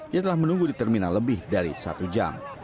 ia telah menunggu di terminal lebih dari satu jam